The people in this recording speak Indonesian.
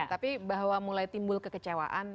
tapi bahwa mulai timbul kekecewaan